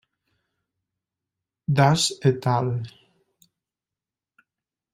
Das et al.